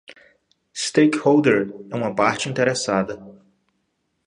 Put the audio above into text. Stakeholder é uma parte interessada.